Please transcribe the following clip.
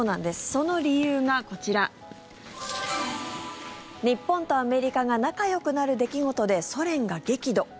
その理由がこちら日本とアメリカが仲よくなる出来事でソ連が激怒。